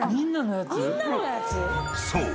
［そう。